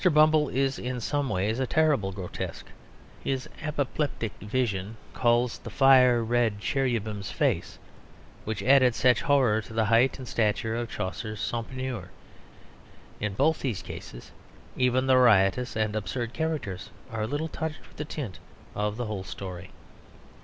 Bumble is in some ways a terrible grotesque; his apoplectic visage recalls the "fire red Cherubimme's face," which added such horror to the height and stature of Chaucer's Sompnour. In both these cases even the riotous and absurd characters are a little touched with the tint of the whole story.